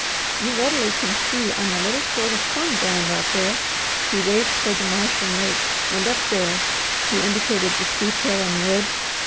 You readily can see I'm a little short of corn ground out there," he waved toward the marsh and lake, "and up there," he indicated the steep hill and wood.